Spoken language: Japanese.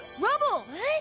えっ？